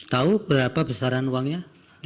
tahu berapa besaran uangnya